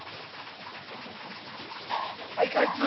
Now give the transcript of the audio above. はい開通。